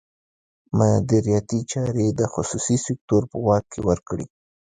مدیریتي چارې د خصوصي سکتور په واک کې ورکړي.